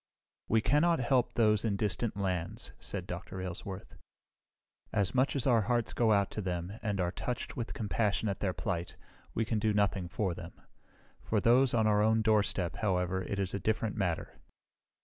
"We cannot help those in distant lands," said Dr. Aylesworth. "As much as our hearts go out to them and are touched with compassion at their plight, we can do nothing for them. For those on our own doorstep, however, it is a different matter.